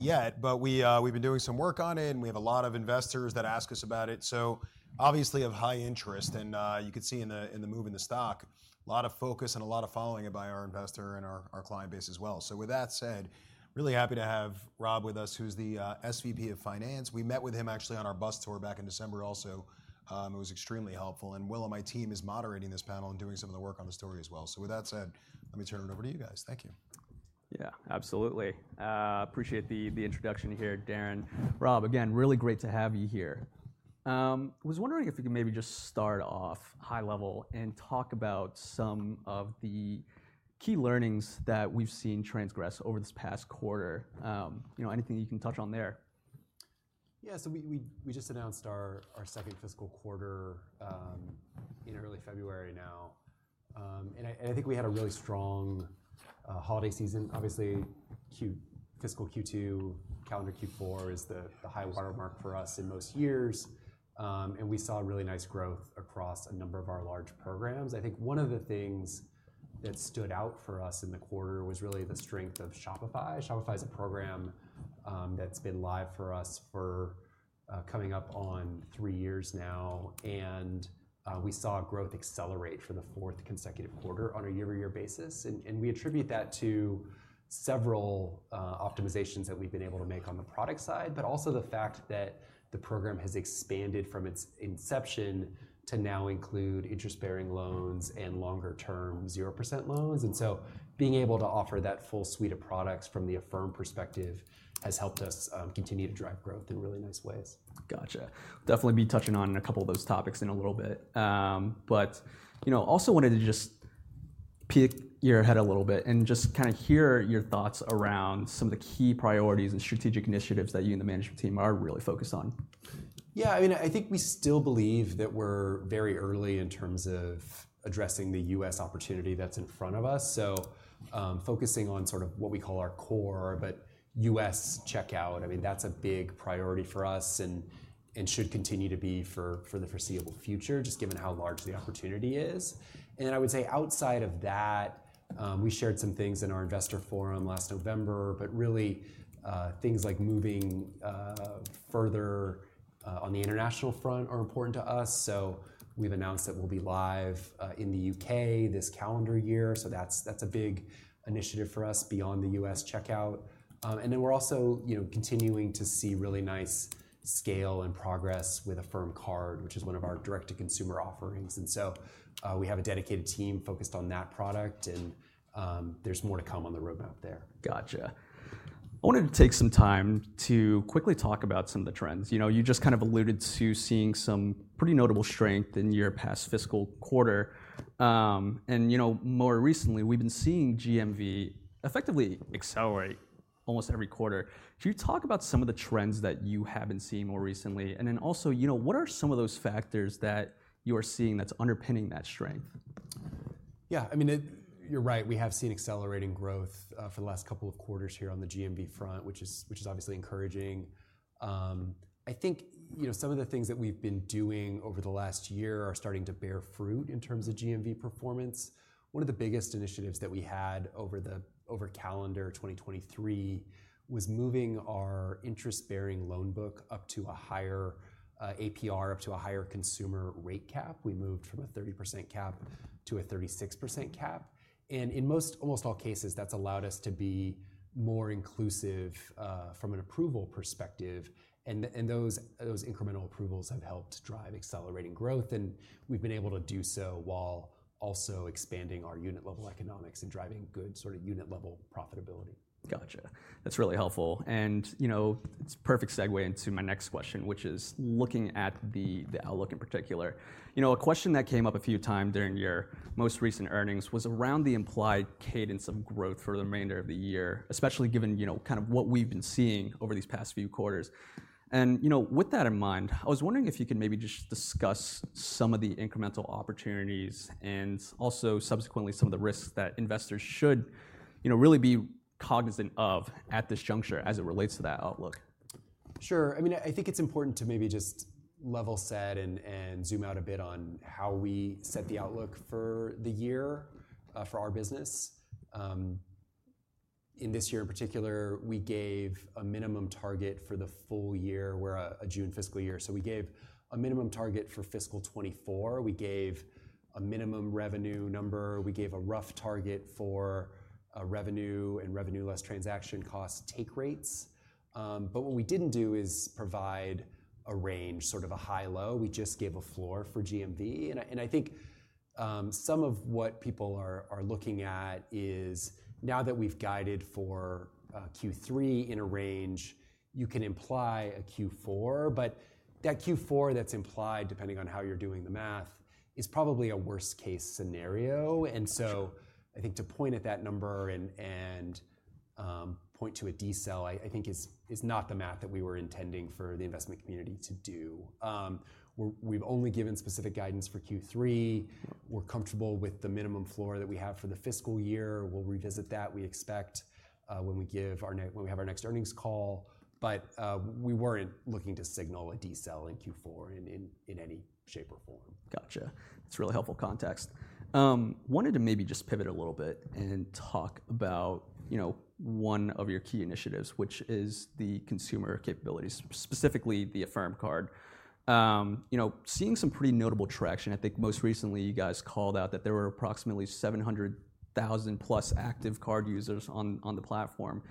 Yet, but we, we've been doing some work on it, and we have a lot of investors that ask us about it. So obviously of high interest and, you could see in the move in the stock, a lot of focus and a lot of following it by our investor and our client base as well. So with that said, really happy to have Rob with us, who's the SVP of Finance. We met with him actually on our bus tour back in December also. It was extremely helpful, and Will and my team is moderating this panel and doing some of the work on the story as well. So with that said, let me turn it over to you guys. Thank you. Yeah, absolutely. Appreciate the introduction here, Darren. Rob, again, really great to have you here. I was wondering if we could maybe just start off high level and talk about some of the key learnings that we've seen transgress over this past quarter. You know, anything you can touch on there? Yeah. So we just announced our second fiscal quarter in early February now. And I think we had a really strong holiday season. Obviously, fiscal Q2, calendar Q4 is the high watermark for us in most years. And we saw a really nice growth across a number of our large programs. I think one of the things that stood out for us in the quarter was really the strength of Shopify. Shopify is a program that's been live for us for coming up on three years now, and we saw growth accelerate for the fourth consecutive quarter on a year-over-year basis. We attribute that to several optimizations that we've been able to make on the product side, but also the fact that the program has expanded from its inception to now include interest-bearing loans and longer-term 0% loans. And so being able to offer that full suite of products from the Affirm perspective has helped us continue to drive growth in really nice ways. Gotcha. Definitely be touching on a couple of those topics in a little bit. But, you know, also wanted to just peek your head a little bit and just kinda hear your thoughts around some of the key priorities and strategic initiatives that you and the management team are really focused on. Yeah, I mean, I think we still believe that we're very early in terms of addressing the U.S. opportunity that's in front of us. So, focusing on sort of what we call our core, but U.S. checkout, I mean, that's a big priority for us and should continue to be for the foreseeable future, just given how large the opportunity is. And then I would say outside of that, we shared some things in our Investor Forum last November, but really, things like moving further on the international front are important to us. So we've announced that we'll be live in the U.K. this calendar year. So that's a big initiative for us beyond the U.S. checkout. and then we're also, you know, continuing to see really nice scale and progress with Affirm Card, which is one of our direct-to-consumer offerings. And so, we have a dedicated team focused on that product, and, there's more to come on the roadmap there. Gotcha. I wanted to take some time to quickly talk about some of the trends. You know, you just kind of alluded to seeing some pretty notable strength in your past fiscal quarter. And you know, more recently, we've been seeing GMV effectively accelerate almost every quarter. Could you talk about some of the trends that you have been seeing more recently? And then also, you know, what are some of those factors that you are seeing that's underpinning that strength? Yeah, I mean, it—you're right, we have seen accelerating growth for the last couple of quarters here on the GMV front, which is obviously encouraging. I think, you know, some of the things that we've been doing over the last year are starting to bear fruit in terms of GMV performance. One of the biggest initiatives that we had over calendar 2023 was moving our interest-bearing loan book up to a higher APR, up to a higher consumer rate cap. We moved from a 30% cap to a 36% cap, and in most, almost all cases, that's allowed us to be more inclusive from an approval perspective. And those incremental approvals have helped drive accelerating growth, and we've been able to do so while also expanding our unit level economics and driving good sort of unit level profitability. Gotcha. That's really helpful. You know, it's a perfect segue into my next question, which is looking at the outlook in particular. You know, a question that came up a few times during your most recent earnings was around the implied cadence of growth for the remainder of the year, especially given, you know, kind of what we've been seeing over these past few quarters. You know, with that in mind, I was wondering if you could maybe just discuss some of the incremental opportunities and also subsequently, some of the risks that investors should, you know, really be cognizant of at this juncture as it relates to that outlook. Sure. I mean, I think it's important to maybe just level set and zoom out a bit on how we set the outlook for the year for our business. In this year in particular, we gave a minimum target for the full year. We're a June fiscal year, so we gave a minimum target for fiscal 2024. We gave a minimum revenue number. We gave a rough target for revenue and revenue less transaction cost take rates. But what we didn't do is provide a range, sort of a high-low. We just gave a floor for GMV. I think some of what people are looking at is now that we've guided for Q3 in a range, you can imply a Q4, but that Q4 that's implied, depending on how you're doing the math, is probably a worst case scenario. Gotcha. And so I think to point at that number and point to a decel, I think is not the math that we were intending for the investment community to do. We've only given specific guidance for Q3. We're comfortable with the minimum floor that we have for the fiscal year. We'll revisit that, we expect, when we have our next earnings call. But we weren't looking to signal a decel in Q4, in any shape or form. Gotcha. It's really helpful context. Wanted to maybe just pivot a little bit and talk about, you know, one of your key initiatives, which is the consumer capabilities, specifically the Affirm Card. You know, seeing some pretty notable traction, I think most recently you guys called out that there were approximately 700,000+ active card users on the platform.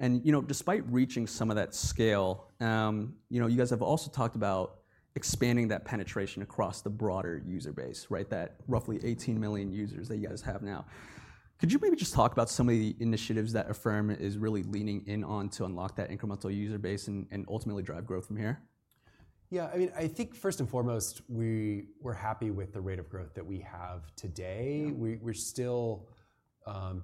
And, you know, despite reaching some of that scale, you know, you guys have also talked about expanding that penetration across the broader user base, right? That roughly 18 million users that you guys have now. Could you maybe just talk about some of the initiatives that Affirm is really leaning in on to unlock that incremental user base and ultimately drive growth from here? Yeah, I mean, I think first and foremost, we're happy with the rate of growth that we have today. Yeah. We're still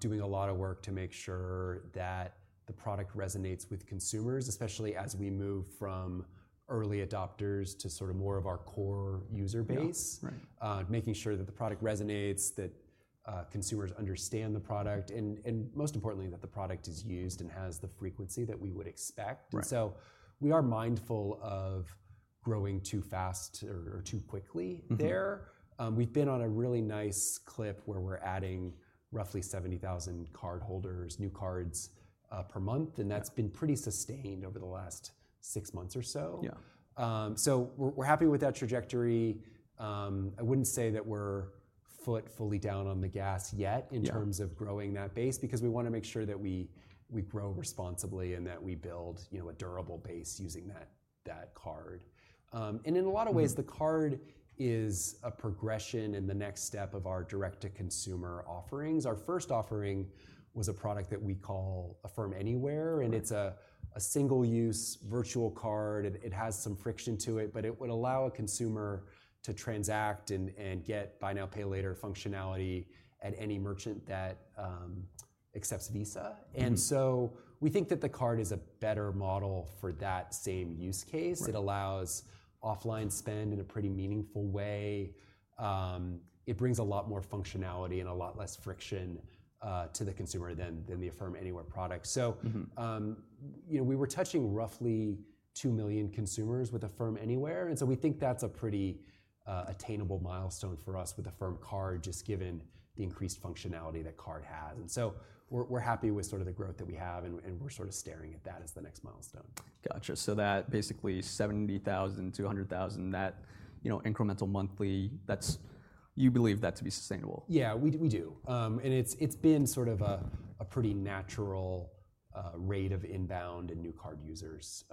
doing a lot of work to make sure that the product resonates with consumers, especially as we move from early adopters to sort of more of our core user base. Yeah. Right. Making sure that the product resonates, that consumers understand the product, and, and most importantly, that the product is used and has the frequency that we would expect. Right. And so we are mindful of growing too fast or too quickly there. Mm-hmm. We've been on a really nice clip where we're adding roughly 70,000 cardholders, new cards, per month- Yeah... and that's been pretty sustained over the last six months or so. Yeah. So we're happy with that trajectory. I wouldn't say that we're foot fully down on the gas yet- Yeah... in terms of growing that base, because we wanna make sure that we, we grow responsibly and that we build, you know, a durable base using that, that card. And in a lot of ways- Mm-hmm... the card is a progression in the next step of our direct-to-consumer offerings. Our first offering was a product that we call Affirm Anywhere- Right... and it's a single-use virtual card, and it has some friction to it, but it would allow a consumer to transact and get buy now, pay later functionality at any merchant that accepts Visa. Mm-hmm. We think that the card is a better model for that same use case. Right. It allows offline spend in a pretty meaningful way. It brings a lot more functionality and a lot less friction to the consumer than the Affirm Anywhere product. So- Mm-hmm... you know, we were touching roughly 2 million consumers with Affirm Anywhere, and so we think that's a pretty attainable milestone for us with Affirm Card, just given the increased functionality that card has. And so we're happy with sort of the growth that we have, and we're sort of staring at that as the next milestone. Gotcha. So that basically 70,000-100,000, that, you know, incremental monthly, that's... You believe that to be sustainable? Yeah, we do, we do. And it's, it's been sort of a, a pretty natural rate of inbound and new card users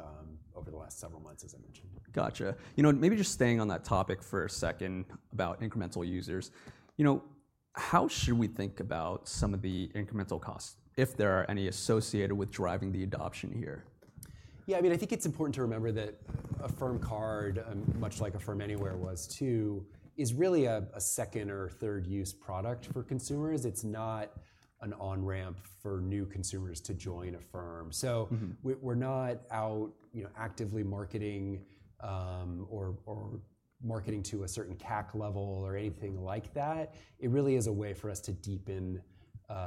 over the last several months, as I mentioned. Gotcha. You know, maybe just staying on that topic for a second about incremental users. You know, how should we think about some of the incremental costs, if there are any, associated with driving the adoption here? Yeah, I mean, I think it's important to remember that Affirm Card, much like Affirm Anywhere was, too, is really a second or third use product for consumers. It's not an on-ramp for new consumers to join Affirm. Mm-hmm. So we're not out, you know, actively marketing, or marketing to a certain CAC level or anything like that. It really is a way for us to deepen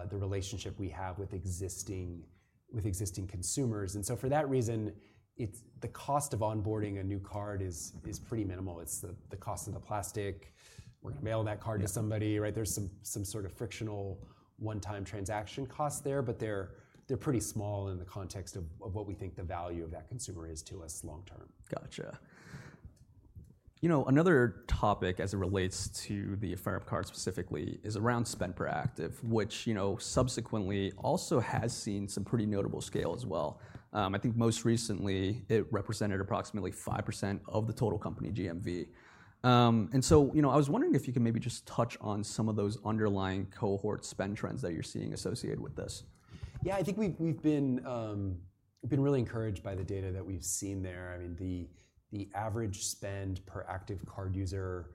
the relationship we have with existing consumers, and so for that reason, it's the cost of onboarding a new card is pretty minimal. It's the cost of the plastic. We're gonna mail that card to somebody- Yeah... right? There's some sort of frictional one-time transaction cost there, but they're pretty small in the context of what we think the value of that consumer is to us long term. Gotcha. You know, another topic as it relates to the Affirm Card specifically is around spend per active, which, you know, subsequently also has seen some pretty notable scale as well. I think most recently it represented approximately 5% of the total company GMV. And so, you know, I was wondering if you could maybe just touch on some of those underlying cohort spend trends that you're seeing associated with this. Yeah, I think we've been really encouraged by the data that we've seen there. I mean, the average spend per active card user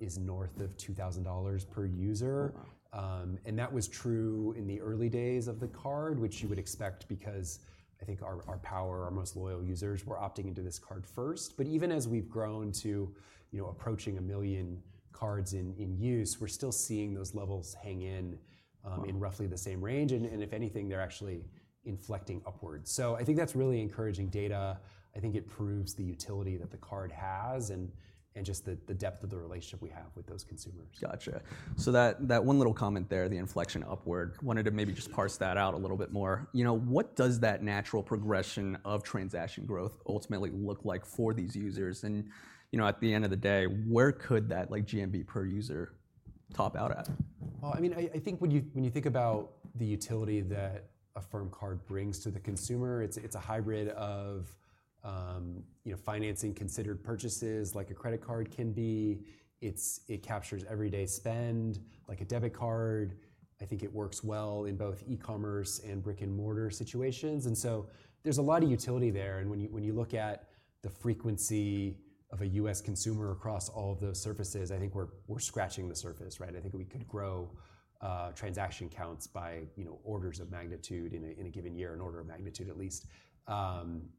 is north of $2,000 per user. Wow. And that was true in the early days of the card, which you would expect because I think our power, our most loyal users, were opting into this card first. But even as we've grown to, you know, approaching 1 million cards in use, we're still seeing those levels hang in. Wow... in roughly the same range, and, and if anything, they're actually inflecting upwards. So I think that's really encouraging data. I think it proves the utility that the card has and, and just the, the depth of the relationship we have with those consumers. Gotcha. So that, that one little comment there, the inflection upward, wanted to maybe just parse that out a little bit more. You know, what does that natural progression of transaction growth ultimately look like for these users? And, you know, at the end of the day, where could that, like, GMV per user top out at? Well, I mean, I think when you think about the utility that Affirm Card brings to the consumer, it's a hybrid of, you know, financing considered purchases, like a credit card can be. It captures everyday spend, like a debit card. I think it works well in both e-commerce and brick-and-mortar situations, and so there's a lot of utility there. And when you look at the frequency of a U.S. consumer across all of those surfaces, I think we're scratching the surface, right? I think we could grow transaction counts by, you know, orders of magnitude in a given year, an order of magnitude at least,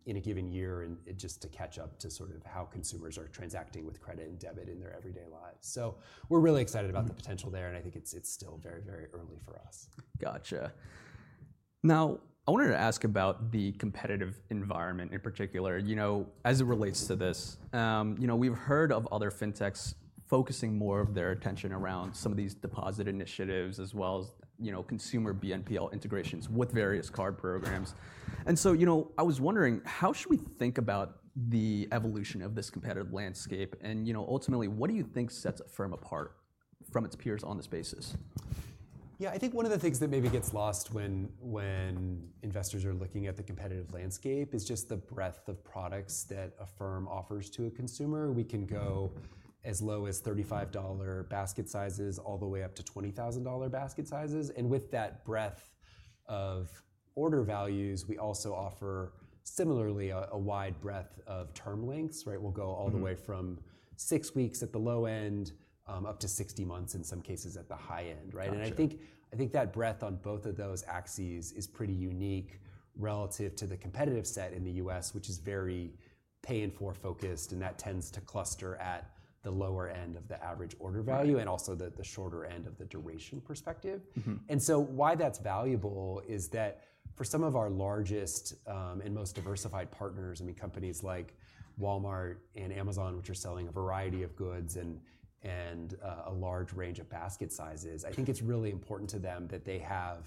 in a given year, and it just to catch up to sort of how consumers are transacting with credit and debit in their everyday lives. So we're really excited about the potential there, and I think it's still very, very early for us. Gotcha. Now, I wanted to ask about the competitive environment in particular, you know, as it relates to this. You know, we've heard of other fintechs focusing more of their attention around some of these deposit initiatives, as well as, you know, consumer BNPL integrations with various card programs. And so, you know, I was wondering: How should we think about the evolution of this competitive landscape? And, you know, ultimately, what do you think sets Affirm apart from its peers on this basis?... Yeah, I think one of the things that maybe gets lost when investors are looking at the competitive landscape is just the breadth of products that Affirm offers to a consumer. We can go as low as $35 basket sizes all the way up to $20,000 basket sizes. And with that breadth of order values, we also offer similarly a wide breadth of term lengths, right? We'll go all the way- Mm-hmm. - from 6 weeks at the low end up to 60 months in some cases at the high end, right? Gotcha. I think, I think that breadth on both of those axes is pretty unique relative to the competitive set in the U.S., which is very Pay in 4 focused, and that tends to cluster at the lower end of the average order value- Right. and also the shorter end of the duration perspective. Mm-hmm. And so why that's valuable is that for some of our largest and most diversified partners, I mean, companies like Walmart and Amazon, which are selling a variety of goods and a large range of basket sizes, I think it's really important to them that they have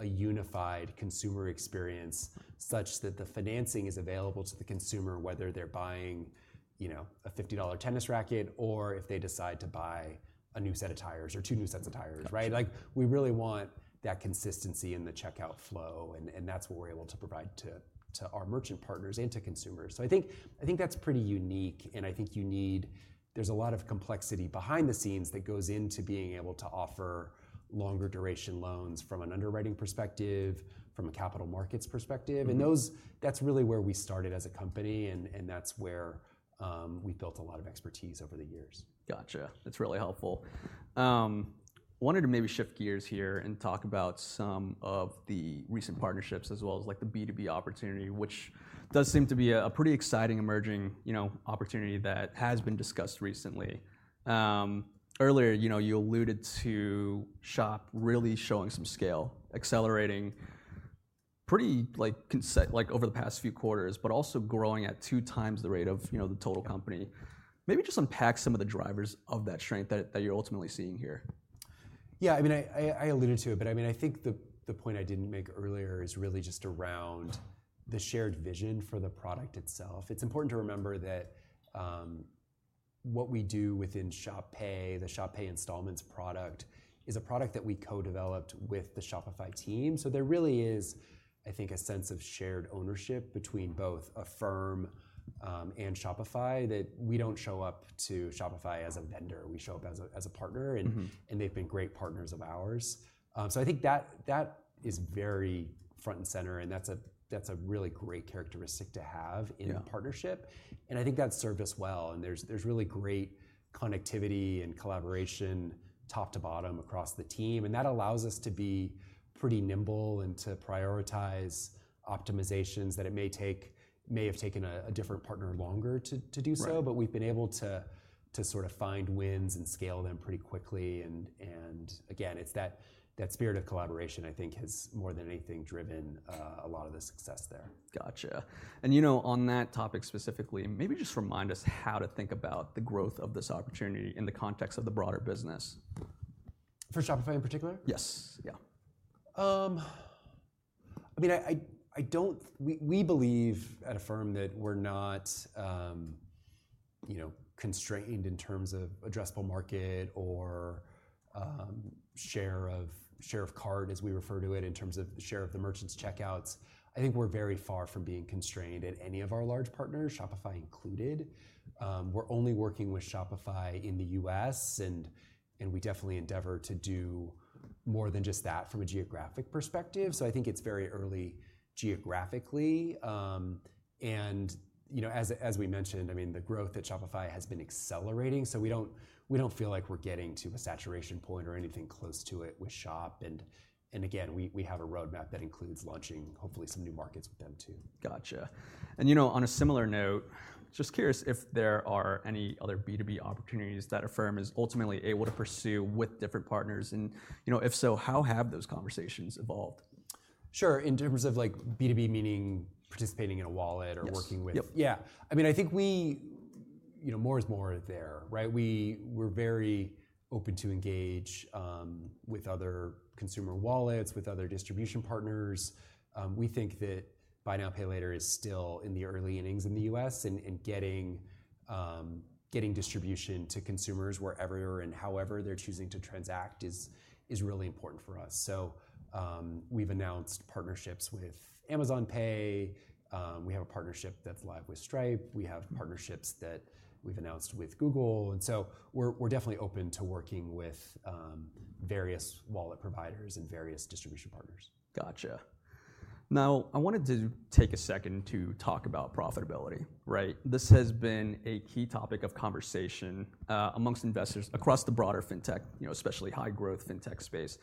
a unified consumer experience, such that the financing is available to the consumer, whether they're buying, you know, a $50 tennis racket or if they decide to buy a new set of tires or two new sets of tires, right? Gotcha. Like, we really want that consistency in the checkout flow, and, and that's what we're able to provide to, to our merchant partners and to consumers. So I think, I think that's pretty unique, and I think you need. There's a lot of complexity behind the scenes that goes into being able to offer longer duration loans from an underwriting perspective, from a capital markets perspective. Mm-hmm. And those, that's really where we started as a company, and that's where we built a lot of expertise over the years. Gotcha. That's really helpful. Wanted to maybe shift gears here and talk about some of the recent partnerships, as well as, like, the B2B opportunity, which does seem to be a pretty exciting emerging, you know, opportunity that has been discussed recently. Earlier, you know, you alluded to Shop really showing some scale, accelerating pretty consistently, like, over the past few quarters, but also growing at 2x the rate of, you know, the total company. Maybe just unpack some of the drivers of that strength that you're ultimately seeing here. Yeah, I mean, I alluded to it, but I mean, I think the point I didn't make earlier is really just around the shared vision for the product itself. It's important to remember that, what we do within Shop Pay, the Shop Pay Installments product, is a product that we co-developed with the Shopify team. So there really is, I think, a sense of shared ownership between both Affirm and Shopify, that we don't show up to Shopify as a vendor, we show up as a partner. Mm-hmm. And they've been great partners of ours. So I think that is very front and center, and that's a really great characteristic to have- Yeah... in a partnership, and I think that's served us well. And there's really great connectivity and collaboration top to bottom across the team, and that allows us to be pretty nimble and to prioritize optimizations that it may have taken a different partner longer to do so. Right. But we've been able to sort of find wins and scale them pretty quickly. And again, it's that spirit of collaboration, I think, has more than anything driven a lot of the success there. Gotcha. You know, on that topic specifically, maybe just remind us how to think about the growth of this opportunity in the context of the broader business. For Shopify in particular? Yes. Yeah. I mean, I don't... We believe at Affirm that we're not, you know, constrained in terms of addressable market or share of card, as we refer to it, in terms of share of the merchants' checkouts. I think we're very far from being constrained at any of our large partners, Shopify included. We're only working with Shopify in the U.S., and we definitely endeavor to do more than just that from a geographic perspective. So I think it's very early geographically. And, you know, as we mentioned, I mean, the growth at Shopify has been accelerating, so we don't feel like we're getting to a saturation point or anything close to it with Shop. And again, we have a roadmap that includes launching, hopefully some new markets with them, too. Gotcha. And, you know, on a similar note, just curious if there are any other B2B opportunities that Affirm is ultimately able to pursue with different partners. And, you know, if so, how have those conversations evolved? Sure, in terms of, like, B2B meaning participating in a wallet or- Yes... working with- Yep. Yeah. I mean, I think we, you know, more is more there, right? We're very open to engage with other consumer wallets, with other distribution partners. We think that buy now, pay later is still in the early innings in the U.S., and getting distribution to consumers wherever and however they're choosing to transact is really important for us. So, we've announced partnerships with Amazon Pay, we have a partnership that's live with Stripe, we have partnerships that we've announced with Google. And so we're definitely open to working with various wallet providers and various distribution partners. Gotcha. Now, I wanted to take a second to talk about profitability, right? This has been a key topic of conversation among investors across the broader fintech, you know, especially high growth fintech space.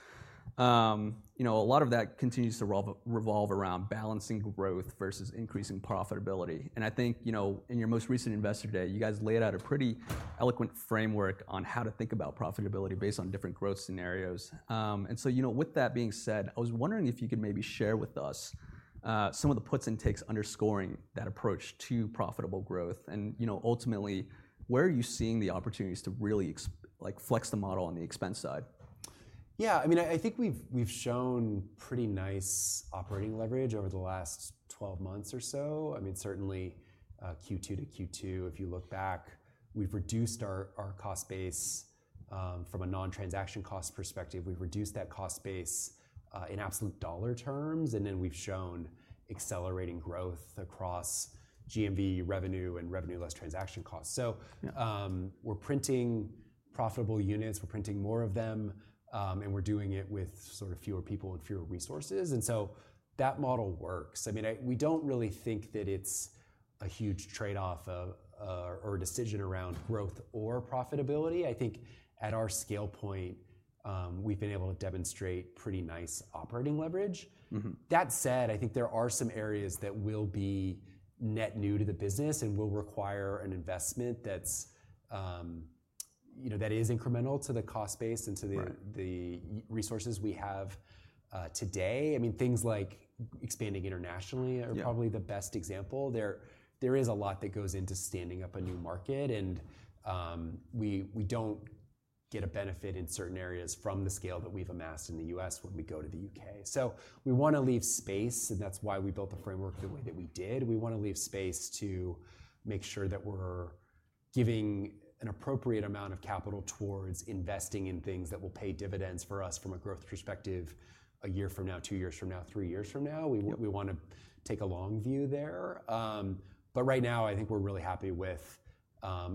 A lot of that continues to revolve around balancing growth versus increasing profitability. And I think, you know, in your most recent Investor Day, you guys laid out a pretty eloquent framework on how to think about profitability based on different growth scenarios. And so, you know, with that being said, I was wondering if you could maybe share with us some of the puts and takes underscoring that approach to profitable growth. And, you know, ultimately, where are you seeing the opportunities to really like, flex the model on the expense side? Yeah, I mean, I think we've shown pretty nice operating leverage over the last 12 months or so. I mean, certainly, Q2 to Q2, if you look back, we've reduced our cost base from a non-transaction cost perspective. We've reduced that cost base in absolute dollar terms, and then we've shown accelerating growth across GMV revenue and revenue less transaction costs. So, we're printing profitable units, we're printing more of them, and we're doing it with sort of fewer people and fewer resources. And so that model works. I mean, we don't really think that it's a huge trade-off of or a decision around growth or profitability. I think at our scale point, we've been able to demonstrate pretty nice operating leverage. Mm-hmm. That said, I think there are some areas that will be net new to the business and will require an investment that's, you know, that is incremental to the cost base and to the- Right... the resources we have, today. I mean, things like expanding internationally- Yeah... are probably the best example. There is a lot that goes into standing up a new market, and we don't get a benefit in certain areas from the scale that we've amassed in the U.S. when we go to the U.K. So we wanna leave space, and that's why we built the framework the way that we did. We wanna leave space to make sure that we're giving an appropriate amount of capital towards investing in things that will pay dividends for us from a growth perspective, a year from now, two years from now, three years from now. Yep. We wanna take a long view there. But right now, I think we're really happy with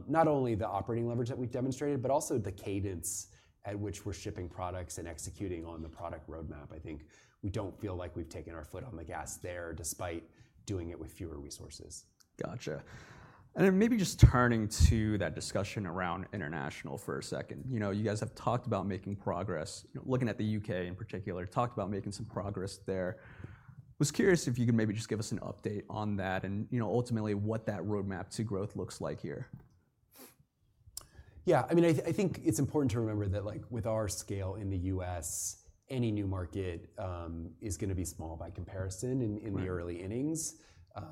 not only the operating leverage that we've demonstrated, but also the cadence at which we're shipping products and executing on the product roadmap. I think we don't feel like we've taken our foot on the gas there, despite doing it with fewer resources. Gotcha. Then maybe just turning to that discussion around international for a second. You know, you guys have talked about making progress. Looking at the U.K. in particular, talked about making some progress there. Was curious if you could maybe just give us an update on that and, you know, ultimately what that roadmap to growth looks like here. Yeah, I mean, I think it's important to remember that, like, with our scale in the U.S., any new market is gonna be small by comparison in, in- Right... the early innings.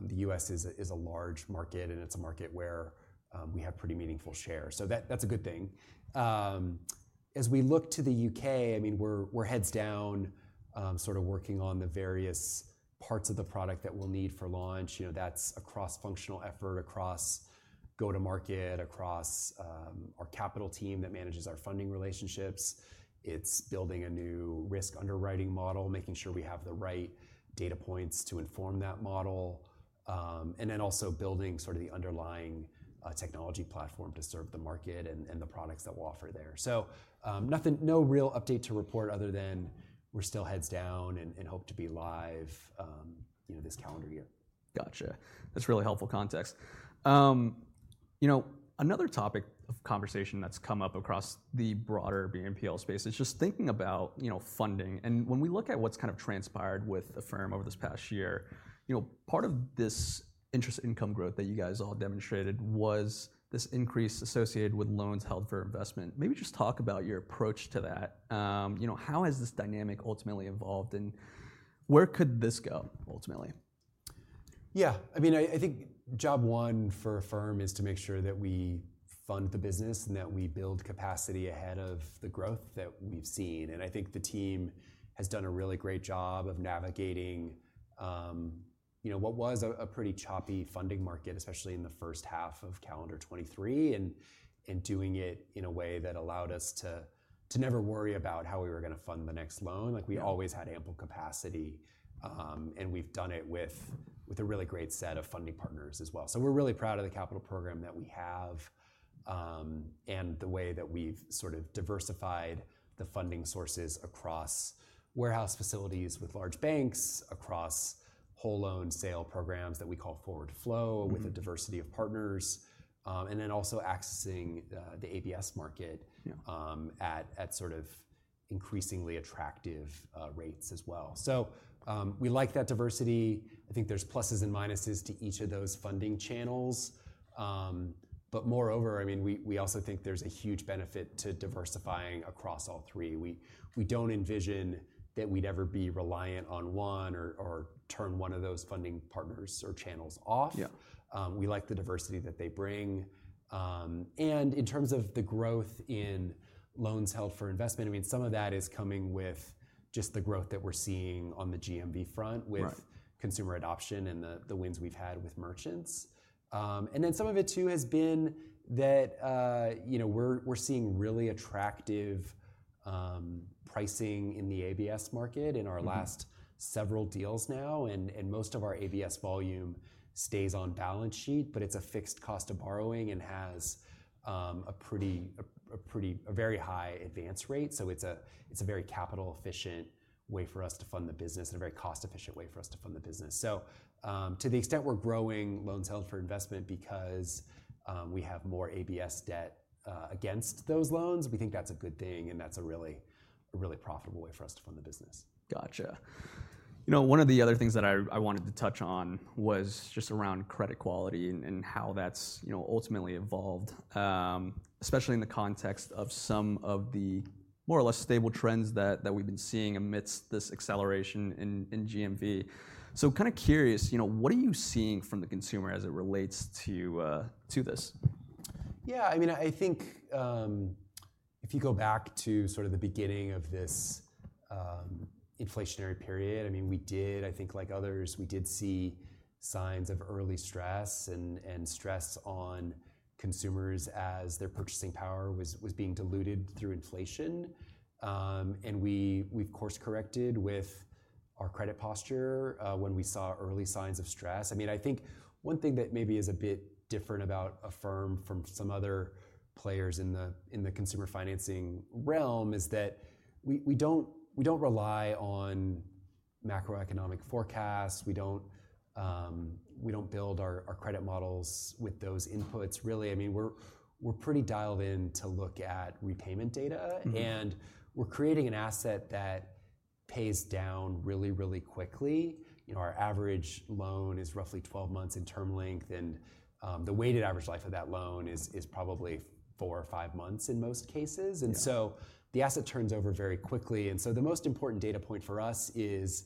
The U.S. is a large market, and it's a market where we have pretty meaningful share, so that's a good thing. As we look to the U.K., I mean, we're heads down, sort of working on the various parts of the product that we'll need for launch. You know, that's a cross-functional effort across go-to-market, across our capital team that manages our funding relationships. It's building a new risk underwriting model, making sure we have the right data points to inform that model. And then also building sort of the underlying technology platform to serve the market and the products that we'll offer there. So, nothing, no real update to report other than we're still heads down and hope to be live, you know, this calendar year. Gotcha. That's really helpful context. You know, another topic of conversation that's come up across the broader BNPL space is just thinking about, you know, funding. And when we look at what's kind of transpired with the firm over this past year, you know, part of this interest income growth that you guys all demonstrated was this increase associated with loans held for investment. Maybe just talk about your approach to that. You know, how has this dynamic ultimately evolved, and where could this go ultimately? Yeah, I mean, I think job one for a firm is to make sure that we fund the business and that we build capacity ahead of the growth that we've seen. And I think the team has done a really great job of navigating, you know, what was a pretty choppy funding market, especially in the first half of calendar 2023, and doing it in a way that allowed us to never worry about how we were gonna fund the next loan. Yeah. Like, we always had ample capacity, and we've done it with, with a really great set of funding partners as well. So we're really proud of the capital program that we have, and the way that we've sort of diversified the funding sources across warehouse facilities with large banks, across whole loan sale programs that we call forward flow- Mm-hmm... with a diversity of partners, and then also accessing, the ABS market- Yeah... at sort of increasingly attractive rates as well. So, we like that diversity. I think there's pluses and minuses to each of those funding channels. But moreover, I mean, we also think there's a huge benefit to diversifying across all three. We don't envision that we'd ever be reliant on one or turn one of those funding partners or channels off. Yeah. We like the diversity that they bring. In terms of the growth in Loans Held for Investment, I mean, some of that is coming with just the growth that we're seeing on the GMV front with- Right... consumer adoption and the wins we've had with merchants. And then some of it too has been that, you know, we're seeing really attractive pricing in the ABS market. Mm-hmm... in our last several deals now. And most of our ABS volume stays on balance sheet, but it's a fixed cost of borrowing and has a pretty—a very high advance rate. So it's a very capital efficient way for us to fund the business and a very cost-efficient way for us to fund the business. So, to the extent we're growing Loans Held for Investment because we have more ABS debt against those loans, we think that's a good thing, and that's a really profitable way for us to fund the business. Gotcha. You know, one of the other things that I wanted to touch on was just around credit quality and how that's, you know, ultimately evolved, especially in the context of some of the more or less stable trends that we've been seeing amidst this acceleration in GMV. So kind of curious, you know, what are you seeing from the consumer as it relates to this? Yeah, I mean, I think if you go back to sort of the beginning of this inflationary period. I mean, we did, I think like others, we did see signs of early stress and stress on consumers as their purchasing power was being diluted through inflation. And we've course-corrected with our credit posture when we saw early signs of stress. I mean, I think one thing that maybe is a bit different about Affirm from some other players in the consumer financing realm is that we don't, we don't rely on macroeconomic forecasts. We don't build our credit models with those inputs, really. I mean, we're pretty dialed in to look at repayment data- Mm-hmm. and we're creating an asset that pays down really, really quickly. You know, our average loan is roughly 12 months in term length, and the weighted average life of that loan is probably 4 or 5 months in most cases. Yeah. The asset turns over very quickly. The most important data point for us is: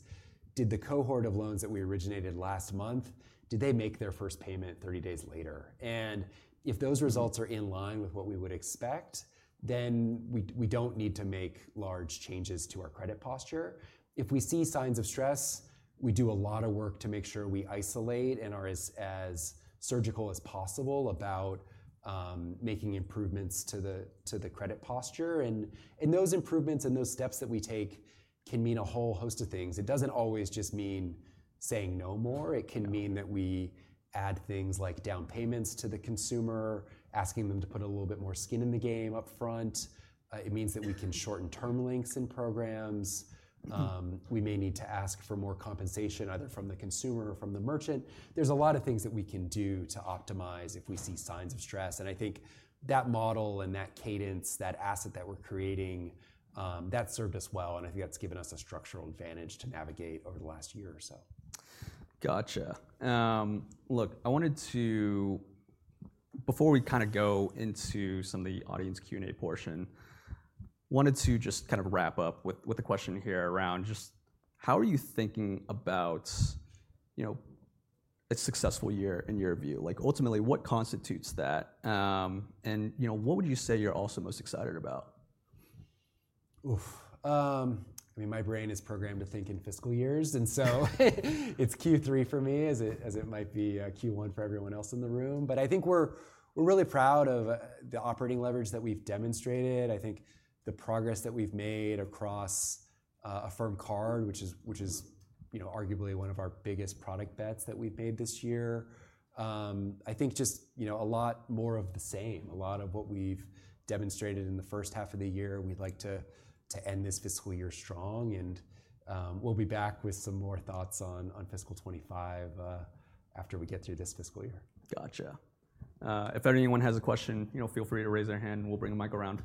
did the cohort of loans that we originated last month, did they make their first payment 30 days later? If those results- Mm-hmm... are in line with what we would expect, then we don't need to make large changes to our credit posture. If we see signs of stress, we do a lot of work to make sure we isolate and are as surgical as possible about making improvements to the credit posture. And those improvements and those steps that we take can mean a whole host of things. It doesn't always just mean saying no more. Yeah. It can mean that we add things like down payments to the consumer, asking them to put a little bit more skin in the game upfront. It means that we can shorten term lengths in programs. We may need to ask for more compensation, either from the consumer or from the merchant. There's a lot of things that we can do to optimize if we see signs of stress, and I think that model and that cadence, that asset that we're creating, that served us well, and I think that's given us a structural advantage to navigate over the last year or so. Gotcha. Look, I wanted to... Before we kind of go into some of the audience Q&A portion, wanted to just kind of wrap up with, with a question here around just how are you thinking about, you know, a successful year in your view? Like, ultimately, what constitutes that? And, you know, what would you say you're also most excited about? I mean, my brain is programmed to think in fiscal years, and so it's Q3 for me, as it might be Q1 for everyone else in the room. But I think we're really proud of the operating leverage that we've demonstrated. I think the progress that we've made across Affirm Card, which is, you know, arguably one of our biggest product bets that we've made this year. I think just, you know, a lot more of the same, a lot of what we've demonstrated in the first half of the year. We'd like to end this fiscal year strong and we'll be back with some more thoughts on fiscal 25 after we get through this fiscal year. Gotcha. If anyone has a question, you know, feel free to raise their hand, and we'll bring the mic around.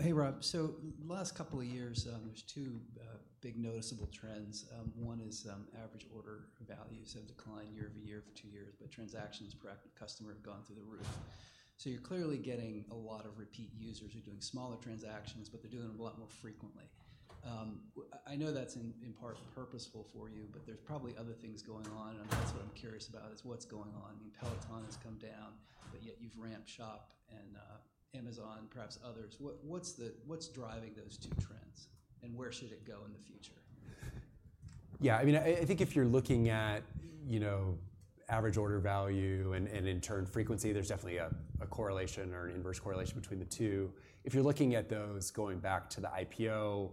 Hey, Rob. So last couple of years, there's two big noticeable trends. One is, average order values have declined year-over-year for two years, but transactions per active customer have gone through the roof. So you're clearly getting a lot of repeat users who are doing smaller transactions, but they're doing them a lot more frequently. I know that's in part purposeful for you, but there's probably other things going on, and that's what I'm curious about, is what's going on. I mean, Peloton has come down, but yet you've ramped Shop and Amazon and perhaps others. What's driving those two trends, and where should it go in the future? Yeah, I mean, I think if you're looking at, you know, average order value and, and in turn, frequency, there's definitely a correlation or an inverse correlation between the two. If you're looking at those going back to the IPO,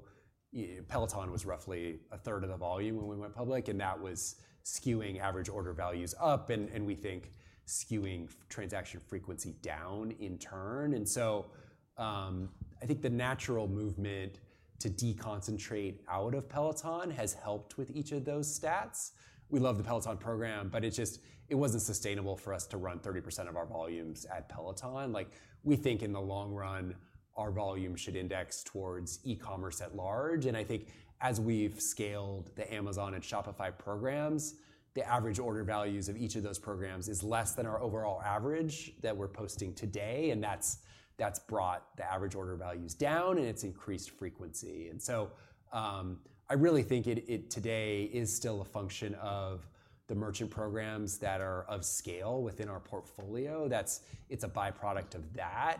Peloton was roughly a third of the volume when we went public, and that was skewing average order values up, and we think skewing transaction frequency down in turn. I think the natural movement to deconcentrate out of Peloton has helped with each of those stats. We love the Peloton program, but it just, it wasn't sustainable for us to run 30% of our volumes at Peloton. Like, we think in the long run, our volume should index towards e-commerce at large. And I think as we've scaled the Amazon and Shopify programs, the average order values of each of those programs is less than our overall average that we're posting today, and that's brought the average order values down, and it's increased frequency. So, I really think it today is still a function of the merchant programs that are of scale within our portfolio. That's, it's a by-product of that.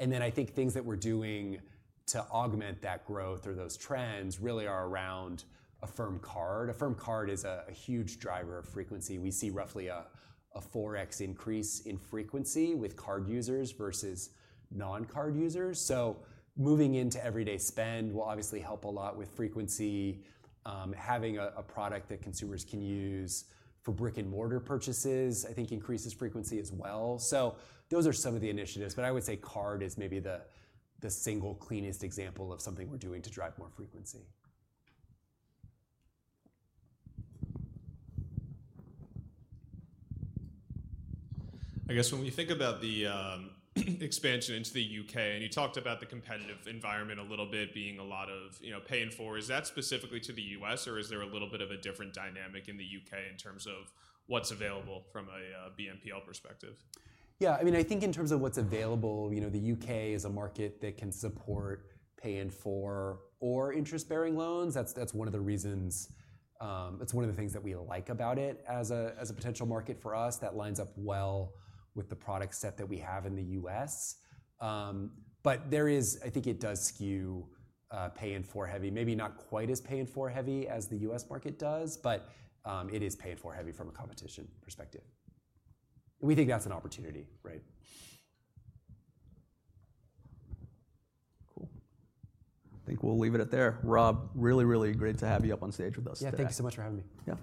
And then I think things that we're doing to augment that growth or those trends really are around Affirm Card. Affirm Card is a huge driver of frequency. We see roughly a 4X increase in frequency with card users versus non-card users. So moving into everyday spend will obviously help a lot with frequency. Having a product that consumers can use for brick-and-mortar purchases, I think increases frequency as well. So those are some of the initiatives, but I would say card is maybe the single cleanest example of something we're doing to drive more frequency. I guess when we think about the expansion into the U.K., and you talked about the competitive environment a little bit, being a lot of, you know, pay in full, is that specifically to the U.S., or is there a little bit of a different dynamic in the U.K. in terms of what's available from a BNPL perspective? Yeah, I mean, I think in terms of what's available, you know, the U.K. is a market that can support pay in full or interest-bearing loans. That's, that's one of the reasons. That's one of the things that we like about it as a, as a potential market for us, that lines up well with the product set that we have in the U.S. But I think it does skew pay in full heavy. Maybe not quite as pay in full heavy as the U.S. market does, but it is pay in full heavy from a competition perspective. We think that's an opportunity, right? Cool. I think we'll leave it at that. Rob, really, really great to have you up on stage with us today. Yeah, thank you so much for having me. Yeah.